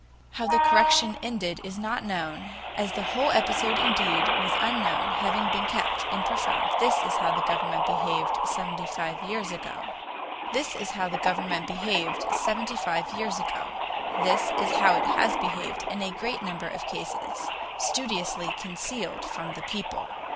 How the correction ended is not known, as the whole episode indeed was unknown, having been kept in profound secrecy. This was how the government behaved seventy five years ago this is how it has behaved in a great cumber of cases, studiously concealed from the people.